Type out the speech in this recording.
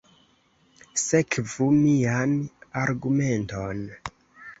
Sekvu mian argumenton.